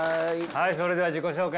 はいそれでは自己紹介